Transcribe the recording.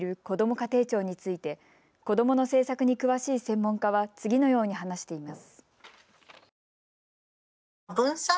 家庭庁について子どもの政策に詳しい専門家は次のように話しています。